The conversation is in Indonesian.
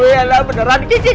lu ialah beneran kisik kisik